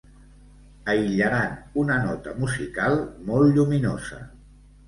Aïllaran una nota musical molt lluminosa.